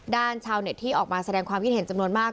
ชาวเน็ตที่ออกมาแสดงความคิดเห็นจำนวนมาก